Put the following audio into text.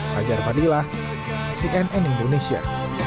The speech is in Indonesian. hajar padilah cnn indonesia